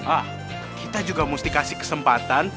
ah kita juga mesti kasih kesempatan